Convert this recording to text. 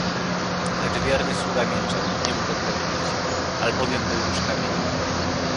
"Lecz wierny sługa milczał, nie mógł odpowiedzieć, albowiem był już kamieniem."